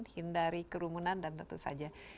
hindari kerumunan dan tentu saja